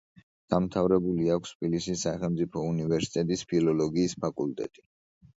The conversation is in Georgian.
დამთავრებული აქვს თბილისის სახელმწიფო უნივერსიტეტის ფილოლოგიის ფაკულტეტი.